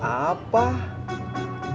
ke kelompok kita